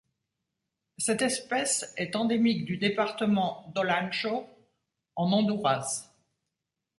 Cette espèce est endémique du département d'Olancho en Honduras.